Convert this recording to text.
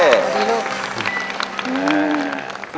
สวัสดีลูก